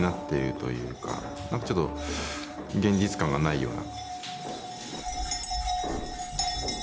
何かちょっと現実感がないような。